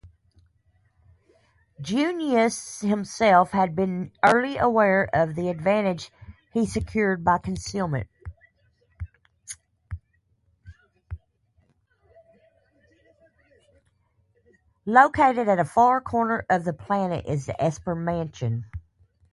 Located at a far corner of the planet is the Esper Mansion.